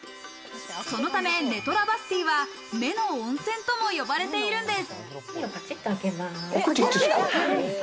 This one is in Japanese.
そのためネトラバスティは目の温泉とも呼ばれているんです。